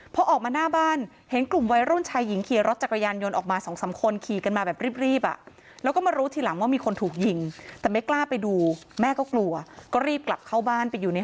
พอออกมาหน้าบ้านเห็นกลุ่มวัยรุ่นชายหญิงขี่รถจักรยานยนต์ออกมา๒๓คน